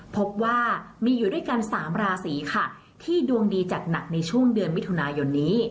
พบว่ามีอยู่ด้วยกัน๓ราศีค่ะที่ดวงดีจัดหนักในช่วงเดือนมิถุนายนนี้